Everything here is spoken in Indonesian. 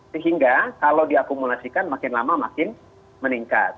sehingga kalau diakumulasikan makin lama makin meningkat